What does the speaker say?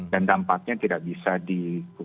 dan dampaknya tidak bisa di